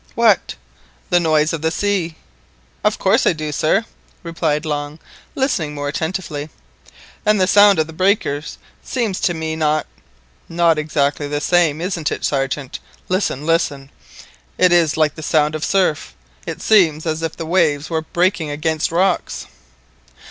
"What?" "The noise of the sea?" "Of course I do, sir," replied Long, listening more attentively, "and the sound of the breakers seems to me not"—— "Not exactly the same... isn't it Sergeant; listen, listen, it is like the sound of surf!... it seems as if the waves were breaking against rocks!"